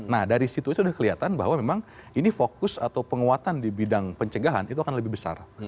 nah dari situ sudah kelihatan bahwa memang ini fokus atau penguatan di bidang pencegahan itu akan lebih besar